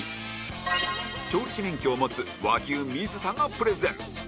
調理師免許を持つ和牛水田がプレゼン